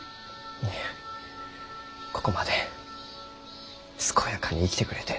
いやここまで健やかに生きてくれて。